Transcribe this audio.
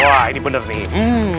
wah ini bener nih